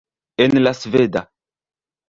En la sveda.